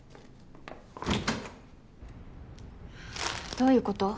どういうこと？